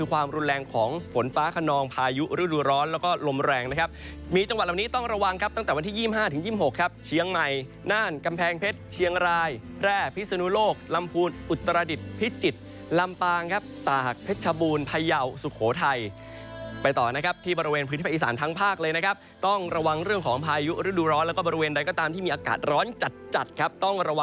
ลมแรงนะครับมีจังหวัดเหล่านี้ต้องระวังครับตั้งแต่วันที่๒๕ถึง๒๖ครับเชียงใหม่น่านกำแพงเพชรเชียงรายแร่พิสุนุโลกลำพูนอุตรดิตพิจิตรลำปางครับตากเพชบูรณ์พยาวสุโขทัยไปต่อนะครับที่บริเวณพื้นที่ประอีสานทั้งภาคเลยนะครับต้องระวังเรื่องของพายุฤดูร้อนแล้วก็บริเวณใดก็ตามที่มีอากา